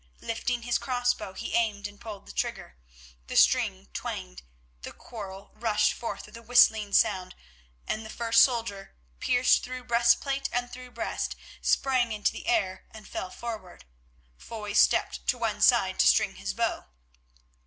Lifting his crossbow he aimed and pulled the trigger. The string twanged, the quarrel rushed forth with a whistling sound, and the first soldier, pierced through breastplate and through breast, sprang into the air and fell forward. Foy stepped to one side to string his bow.